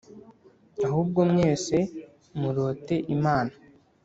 ahubwo mwese murote imana